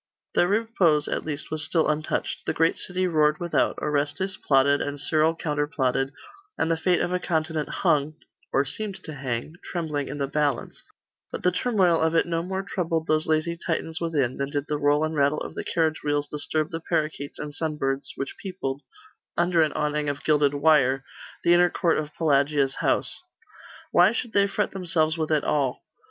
Their repose, at least, was still untouched. The great city roared without; Orestes plotted, and Cyril counterplotted, and the fate of a continent hung or seemed to hang trembling in the balance; but the turmoil of it no more troubled those lazy Titans within, than did the roll and rattle of the carriage wheels disturb the parakeets and sunbirds which peopled, under an awning of gilded wire, the inner court of Pelagia's house. Why should they fret themselves with it all?